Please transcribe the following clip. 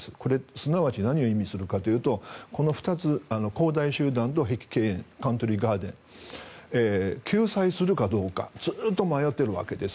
すなわち何を意味するかというとこの２つ、恒大集団と碧桂園カントリー・ガーデン救済するかどうかずっと迷っているわけです。